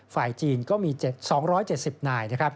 ฝ่ายจีนก็มี๒๗๐นาย